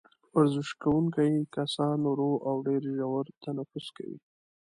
ورزش کوونکي کسان ورو او ډېر ژور تنفس کوي.